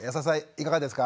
いかがですか？